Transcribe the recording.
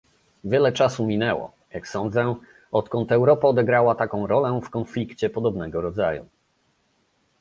Wiele czasu minęło, jak sądzę, odkąd Europa odegrała taką rolę w konflikcie podobnego rodzaju